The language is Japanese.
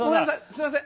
すいません。